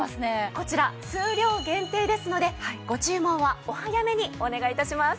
こちら数量限定ですのでご注文はお早めにお願い致します。